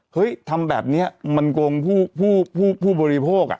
เฮ้ยทำแบบนี้มันโกงผู้บริโภค